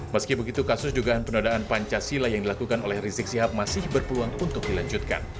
meski begitu kasus dugaan penodaan pancasila yang dilakukan oleh rizik sihab masih berpeluang untuk dilanjutkan